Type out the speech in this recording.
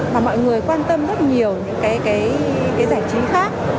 và mọi người quan tâm rất nhiều những cái giải trí khác